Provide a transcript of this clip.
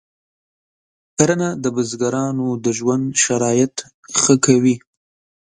کرنه د بزګرانو د ژوند شرایط ښه کوي.